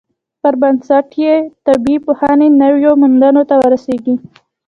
پر بنسټ یې طبیعي پوهنې نویو موندنو ته ورسیږي.